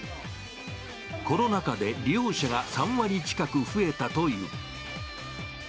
コロナ禍で利用者が３割近く増えたという。